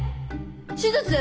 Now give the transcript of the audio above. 手術？